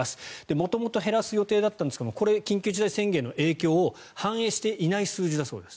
元々減らす予定だったんですがこれ、緊急事態宣言の影響を反映していない数字だそうです。